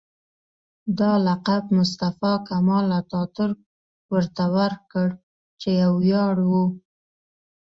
دا لقب مصطفی کمال اتاترک ورته ورکړ چې یو ویاړ و.